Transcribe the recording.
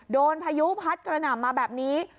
พายุพัดกระหน่ำมาแบบนี้